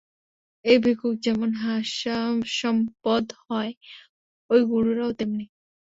এই ভিক্ষুক যেমন হাস্যাস্পদ হয়, ঐ গুরুরাও তেমনি।